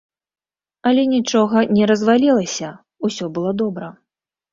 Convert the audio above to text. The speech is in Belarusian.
Але нічога не развалілася, усё было добра.